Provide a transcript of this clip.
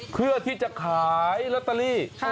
เพื่อที่จะขายลอตเตอรี่